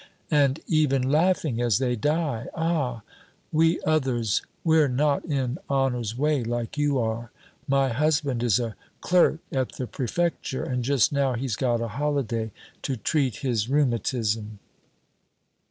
and even laughing as they die! Ah! we others, we're not in honor's way like you are. My husband is a clerk at the Prefecture, and just now he's got a holiday to treat his rheumatism."